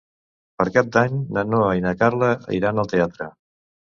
Per Cap d'Any na Noa i na Carla iran al teatre.